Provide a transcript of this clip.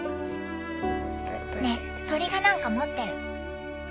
ねぇ鳥がなんか持ってる。